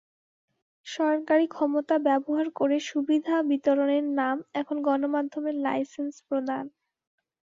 সরকারি ক্ষমতা ব্যবহার করে সুবিধা বিতরণের নাম এখন গণমাধ্যমের লাইসেন্স প্রদান।